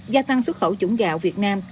gia tăng xuất khẩu chủng gạo việt nam